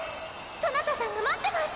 そなたさんが待ってます。